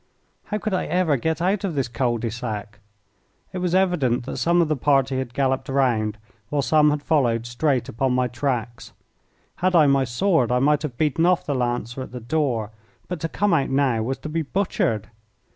How could I ever get out of this cul de sac? It was evident that some of the party had galloped round, while some had followed straight upon my tracks. Had I my sword I might have beaten off the Lancer at the door, but to come out now was to be butchered.